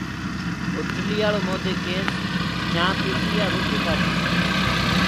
هوٽلَيآݪو مودي ڪيس چآنه پيسي يآنٚ روٽيٚ کآسيٚ